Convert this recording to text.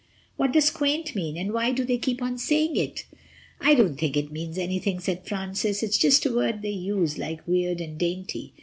What does quaint mean, and why do they keep on saying it?" "I don't think it means anything," said Francis, "it's just a word they use, like weird and dainty.